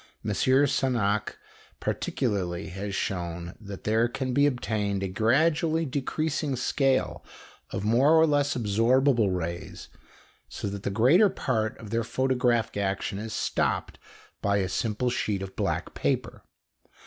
M. Sagnac, particularly, has shown that there can be obtained a gradually decreasing scale of more or less absorbable rays, so that the greater part of their photographic action is stopped by a simple sheet of black paper.